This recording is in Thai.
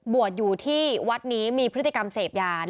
บวชอยู่ที่วัดนี้มีพฤติกรรมเสพยา